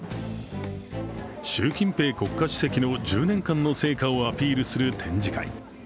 習近平国家主席の１０年間の成果をアピールする展示会。